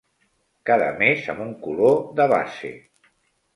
Cada mes amb un color de base.